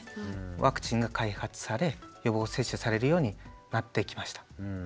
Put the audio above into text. ワクチンが開発され予防接種されるようになってきました。